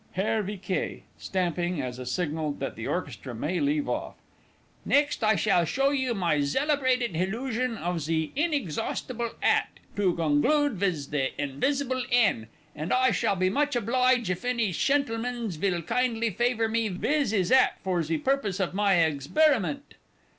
_ HERR V. K. (stamping, as a signal that the Orchestra may leave off). Next I shall show you my zelebrated hillusion of ze inexhaustible 'At, to gonclude viz the Invisible 'En. And I shall be moch oblige if any shentilmans vill kindly favour me viz 'is 'at for ze purpose of my exberiment.